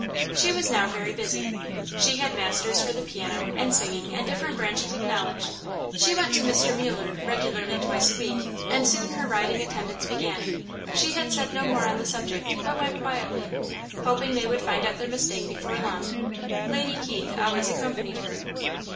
She was now very busy. She had masters for the piano and singing and different branches of knowledge; she went to Mr. Muller regularly twice a week; and soon her riding attendance began. She had said no more on the subject, but went quietly, hoping they would find out their mistake before long. Lady Keith always accompanied her.